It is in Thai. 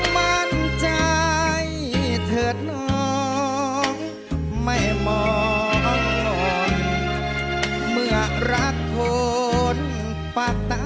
มั่นใจเถิดน้องไม่มองเมื่อรักคนปากตา